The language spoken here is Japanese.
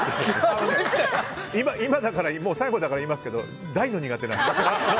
今だから最後だから言いますけど大の苦手なんです。